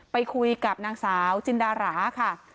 ไปคุยกับนางสาวจินดาราค่ะ